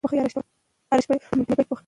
هغه د افغانستان په تاریخ کې یو اتل دی.